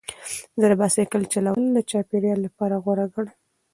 زه د بایسکل چلول د چاپیریال لپاره غوره ګڼم.